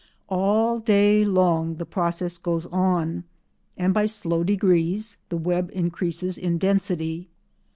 All day long the process goes on, and by slow degrees the web increases in density.